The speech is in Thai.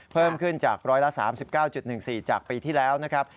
เพิ่มขึ้นจาก๑๓๙๑๔จากปีที่แล้วนะครับ